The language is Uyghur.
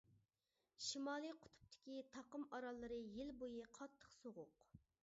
شىمالىي قۇتۇپتىكى تاقىم ئاراللىرى يىل بويى قاتتىق سوغۇق.